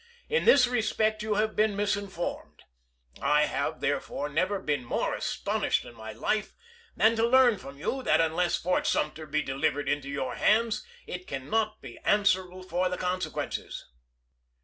In this respect you have been misinformed — I have, therefore, never been more astonished in my life, than to learn from you that unless Buchanan." Fort Sumter be delivered into your hands, you cannot be pp. 384, 385. answerable for the consequences.